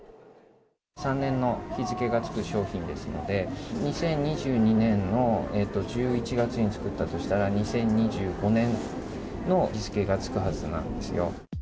３年の日付がつく商品ですので、２０２２年の１１月に作ったとしたら、２０２５年の日付がつくはずなんですよ。